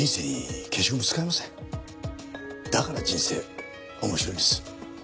だから人生面白いんです。